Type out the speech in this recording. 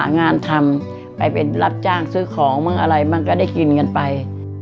งานทำไปเป็นรับจ้างซื้อของบ้างอะไรบ้างก็ได้กินกันไป